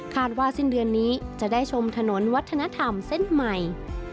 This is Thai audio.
ว่าสิ้นเดือนนี้จะได้ชมถนนวัฒนธรรมเส้นใหม่